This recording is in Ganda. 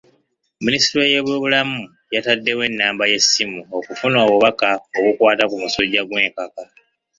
Minisitule y'ebyobulamu yataddewo ennamba y'essimu okufuna obubaka obukwata ku musujja gw'enkaka.